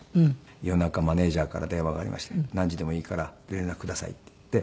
夜中マネジャーから電話がありまして「何時でもいいから連絡ください」って言って。